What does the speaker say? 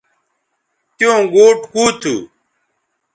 تیوں گوٹ کُو تھو